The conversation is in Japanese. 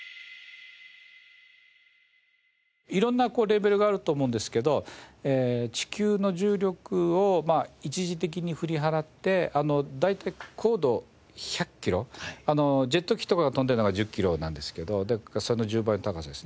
色んなレベルがあると思うんですけど地球の重力を一時的に振り払って大体高度１００キロジェット機とかが飛んでいるのが１０キロなんですけどだからその１０倍の高さですね。